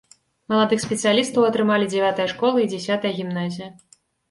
Маладых спецыялістаў атрымалі дзявятая школа і дзясятая гімназія.